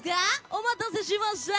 お待たせしました。